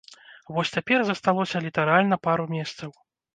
Вось цяпер засталося літаральна пару месцаў.